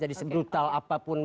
jadi segutal apapun